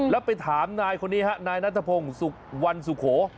แล้วไปถามนายคนนี้ฮะนายนัทพงศ์สุขวันสุโข